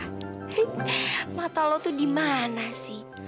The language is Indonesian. eh mata lo tuh di mana sih